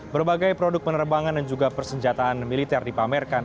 berbagai produk penerbangan dan juga persenjataan militer dipamerkan